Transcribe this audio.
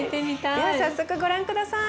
では早速ご覧下さい。